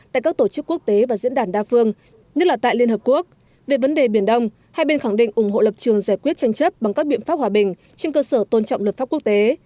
trên cơ sở tôn trọng luật pháp quốc tế